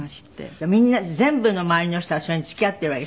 みんな全部の周りの人はそれに付き合っているわけ？